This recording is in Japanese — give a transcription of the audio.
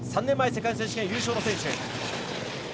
３年前の世界選手権優勝の選手。